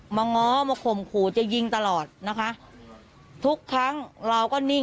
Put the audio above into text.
ง้อมาข่มขู่จะยิงตลอดนะคะทุกครั้งเราก็นิ่ง